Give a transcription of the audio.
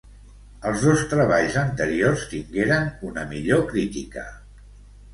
Els dos treballs anteriors tingueren una millor crítica.